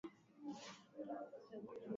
Umoja huu unaitwa Indian Ocean Rim Association